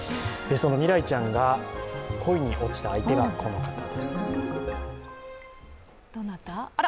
そのみらいちゃんが恋に落ちた相手が、この方です。